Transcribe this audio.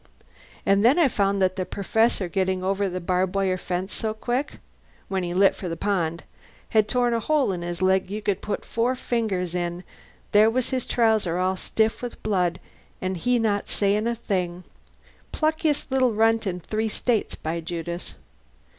An' then I found that the Perfessor, gettin' over the barb wire fence so quick (when he lit for the pond) had torn a hole in his leg you could put four fingers in. There was his trouser all stiff with blood, an' he not sayin' a thing. Pluckiest little runt in three States, by Judas!